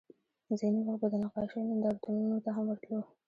ځینې وخت به د نقاشیو نندارتونونو ته هم ورتلو